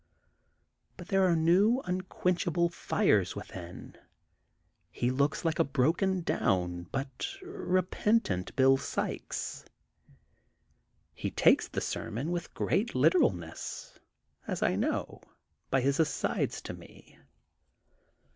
But there are new unquench able fires within. He looks like a broken down but repentant Bill Sykes. He takes the ser mon with great literalness, as I know, by his asides to me.